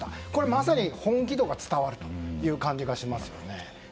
まさに本気度が伝わるという感じがしますね。